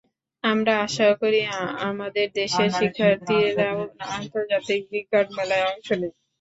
আমরা আশা করি, আমাদের দেশের শিক্ষার্থীরাও আন্তর্জাতিক বিজ্ঞান মেলায় অংশ নিক।